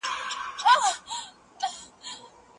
کیڼ لاسي والی په پیشوګانو، موږکانو او مږو کې هم لیدل کېږي.